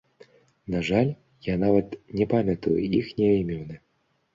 На жаль, я нават не памятаю іхнія імёны.